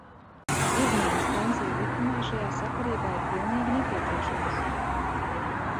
Izmaiņas Pensiju likumā šajā sakarībā ir pilnīgi nepieciešamas.